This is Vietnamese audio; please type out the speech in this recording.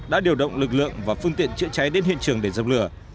đã điều động lực lượng và phương tiện chữa cháy đến hiện trường để dập lửa